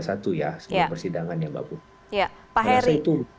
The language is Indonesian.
pada persidangan ya mbak putri